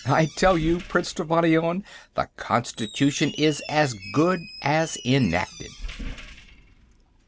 I tell you, Prince Trevannion, the constitution is as good as enacted."